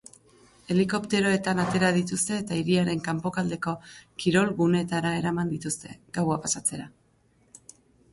Helikopteroetan atera dituzte eta hiriaren kanpoaldeko kirol-guneetara eraman dituzte, gaua pasatzera.